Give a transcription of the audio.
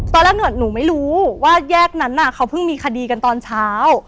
ตอนแรกหนูไม่รู้ว่าแยกนั้นเขาเพิ่งมีคดีกันตอนเช้า